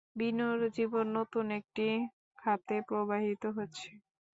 বিনুর জীবন নতুন একটি খাতে প্রবাহিত হচ্ছে।